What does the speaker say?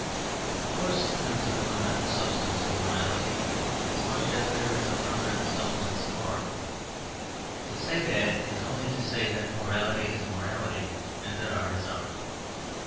Of course, there is a permanent substance of morality, as much as there is a permanent substance of art; to say that is only to say that morality is morality, and that art is art.